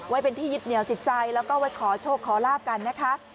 ไว้เป็นที่ยึดเหนียวจิตใจแล้วก็ไว้ขอโชคขอลาบกันนะคะ